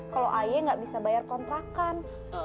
kalau ayah nggak bisa bayar kontrakan